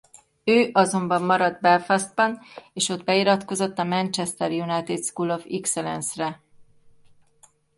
Ő azonban maradt Belfastban és ott beiratkozott a Manchester United School of Excellence-re.